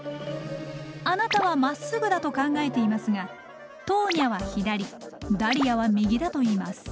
あなたはまっすぐだと考えていますがトーニャは左ダリアは右だと言います。